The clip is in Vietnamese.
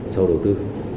sau đầu tư